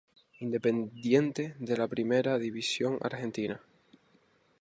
Independiente de la Primera División de Argentina.